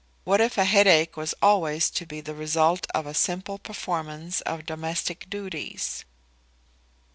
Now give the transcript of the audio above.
What if a headache was always to be the result of a simple performance of domestic duties?